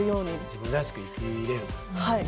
自分らしく生きれる。